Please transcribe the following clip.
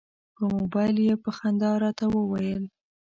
په مبایل یې په خندا راته وویل.